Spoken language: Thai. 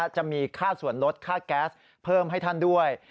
จะมีค่าส่วนลดค่าแก๊สเพิ่มให้ท่านด้วย